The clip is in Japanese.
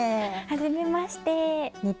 はじめまして。